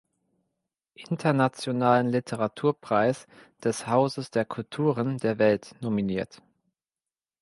Internationalen Literaturpreis des Hauses der Kulturen der Welt nominiert.